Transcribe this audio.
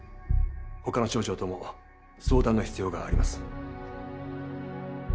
他の省庁とも相談の必要があります。